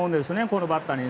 このバッターに。